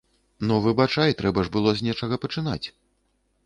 Ну выбачай, трэба ж было з нечага пачынаць.